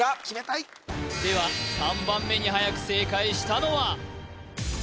決めたいでは３番目にはやく正解したのは？